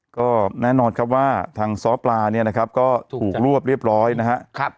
ก็แน่นอนครับว่าทางซ้อปลาเนี่ยนะครับก็ถูกรวบเรียบร้อยนะครับ